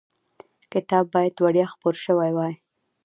کتاب باید وړیا خپور شوی وای.